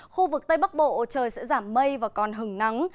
khu vực tây bắc bộ trời sẽ giảm mây và còn hứng nắng